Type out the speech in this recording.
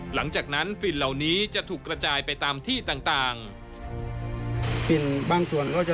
หลังจากนั้นฝิ่นเหล่านี้จะถูกกระจายไปตามที่ต่าง